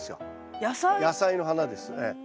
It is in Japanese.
野菜の花ですええ。